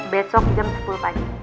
besok jam sepuluh pagi